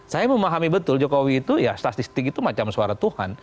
saya memahami betul jokowi itu ya statistik itu macam suara tuhan